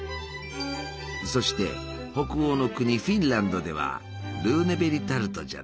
そして北欧の国フィンランドではルーネベリタルトじゃな。